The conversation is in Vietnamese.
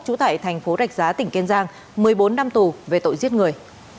chủ tại tp rạch giá tỉnh kiên giang một mươi bốn năm tù về tội giết người